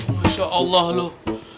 masya allah loh